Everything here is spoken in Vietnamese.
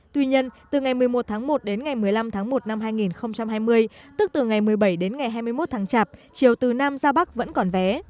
tuy nhiên từ ngày một mươi một tháng một đến ngày một mươi năm tháng một năm hai nghìn hai mươi tức từ ngày một mươi bảy đến ngày hai mươi một tháng chạp chiều từ nam ra bắc vẫn còn vé